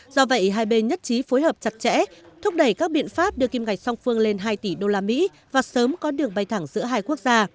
do vậy hai bên nhất trí phối hợp chặt chẽ thúc đẩy các biện pháp đưa kim ngạch song phương lên hai tỷ usd và sớm có đường bay thẳng giữa hai quốc gia